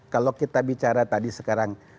kalau kita bicara tadi sekarang